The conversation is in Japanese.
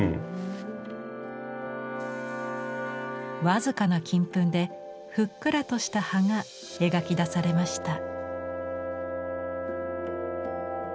僅かな金粉でふっくらとした葉が描き出されました。